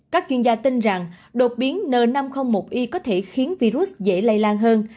các chuyên gia tin rằng đột biến n năm trăm linh một i có thể khiến virus dễ lây lan hơn